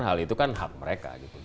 hal itu kan hak mereka